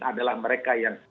adalah mereka yang